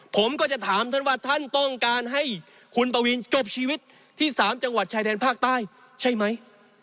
ผมก็จะถามท่านว่าท่านต้องการให้คุณปวีนจบชีวิตที่๓จังหวัดชายแดนภาคใต้ใช่ไหม